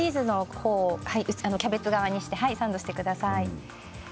チーズの方はキャベツ側にしてサンドしてください。